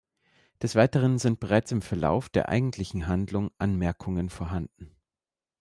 Des Weiteren sind bereits im Verlauf der eigentlichen Handlung Anmerkungen vorhanden.